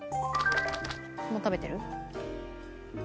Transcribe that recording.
もう食べてる？